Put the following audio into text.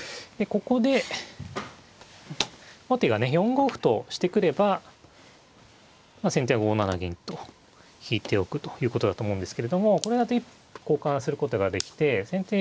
４五歩としてくれば先手は５七銀と引いておくということだと思うんですけれどもこれだと一歩交換することができて先手